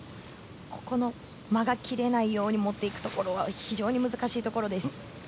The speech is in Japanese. ここの間が切れないように持っていくところは非常に難しいところです。